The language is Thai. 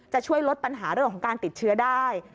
จะช่วยลดปัญหาเรื่องของการติดเชื้อได้